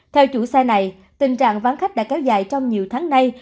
theo chủ xe này tình trạng vắng khách đã kéo dài trong nhiều tháng nay